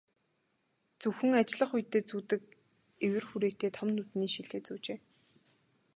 Зөвхөн ажиллах үедээ зүүдэг эвэр хүрээтэй том нүдний шилээ зүүжээ.